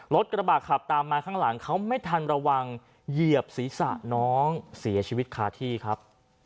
กระบาดขับตามมาข้างหลังเขาไม่ทันระวังเหยียบศีรษะน้องเสียชีวิตคาที่ครับ